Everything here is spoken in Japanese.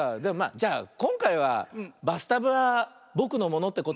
じゃあこんかいはバスタブはぼくのものってことで。